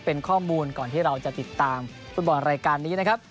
เป็นข้อมูลก่อนที่เราจะติดตามฟุตบอลรายการนี้นะครับ